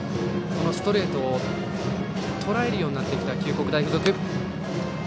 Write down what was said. そのストレートをとらえるようになってきた九国大付属。